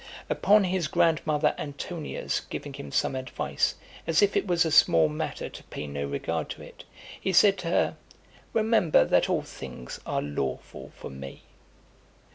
Upon his grandmother Antonia's giving him some advice, as if it was a small matter to pay no regard to it, he said to her, "Remember that all things are lawful for me."